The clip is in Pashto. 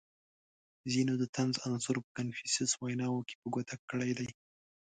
• ځینو د طنز عنصر په کنفوسیوس ویناوو کې په ګوته کړی دی.